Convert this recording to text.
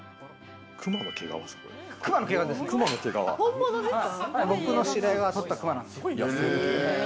熊の毛皮ですか？